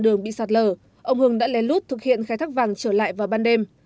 ông hưng đã lén lút thực hiện khai thác vàng trở lại vào ban đêm